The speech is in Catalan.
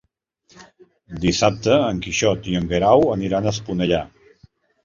Dissabte en Quixot i en Guerau aniran a Esponellà.